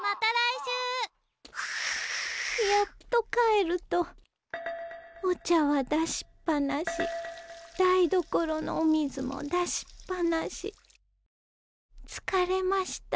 やっと帰るとお茶は出しっぱなし台所のお水も出しっぱなし疲れました。